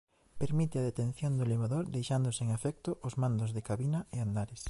Permite a detención do elevador deixando sen efecto os mandos de cabina e andares.